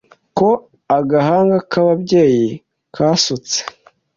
Ko agahanga kababyeyi kasutse